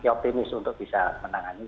optimis untuk bisa menangani